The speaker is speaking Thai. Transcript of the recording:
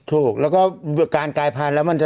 ถูกแล้วก็การกายพันธุ์แล้วมันจะ